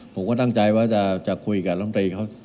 ผมก็ตั้งใจว่าจะคุยกับลำตรีเขา